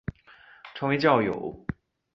成员为教友。